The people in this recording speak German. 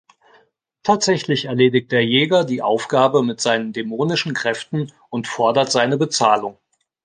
Tatsächlich erledigt der Jäger die Aufgabe mit seinen dämonischen Kräften und fordert seine Bezahlung.